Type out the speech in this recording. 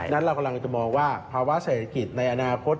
เรากำลังจะมองว่าภาวะเศรษฐกิจในอนาคต